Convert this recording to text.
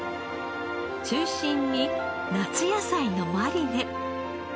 中心に夏野菜のマリネ。